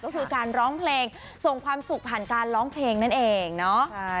ก็คือการร้องเพลงส่งความสุขผ่านการร้องเพลงนั่นเองเนาะ